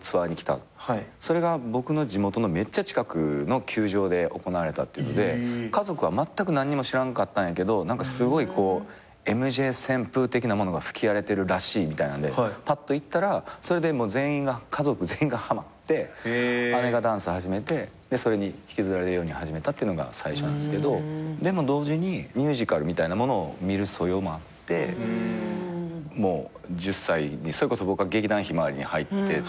それが僕の地元のめっちゃ近くの球場で行われたっていうので家族はまったく何にも知らんかったんやけどすごいこうＭＪ旋風的なものが吹き荒れてるらしいみたいなんでぱっと行ったらそれで家族全員がはまって姉がダンス始めてそれに引きずられるように始めたってのが最初なんすけど同時にミュージカルみたいなものを見る素養もあってもう１０歳それこそ僕は劇団ひまわりに入ってとか。